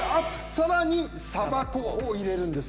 さらにサバ粉を入れるんです。